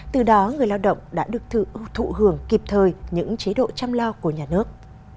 từ đó người lao động đã được thụ hưởng kịp thời những chế độ chăm lo của nhà nước